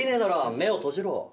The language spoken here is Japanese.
目を閉じろ？